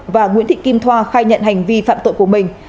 và nguyễn thị kim thoa khai nhận hành vi phạm tội của mình